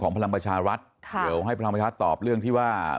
คุณหมอชนหน้าเนี่ยคุณหมอชนหน้าเนี่ย